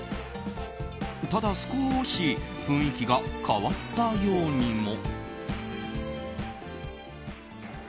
ただ少し雰囲気が変わったようにも。